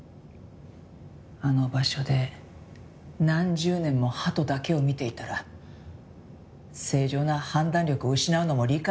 あの場所で何十年も鳩だけを見ていたら正常な判断力を失うのも理解できます。